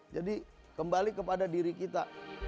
jadi kembali kepada diri kita